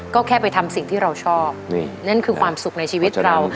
ก็แค่ไปทำสิ่งที่เราชอบนี่นั่นคือความสุขในชีวิตเรา